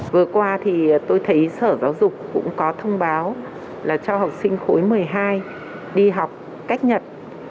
vừa qua thì tôi thấy sở giáo dục cũng có thông báo là cho học sinh khối một mươi hai đi học cách nhật